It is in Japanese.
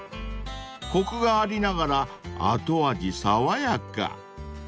［コクがありながら後味爽やか］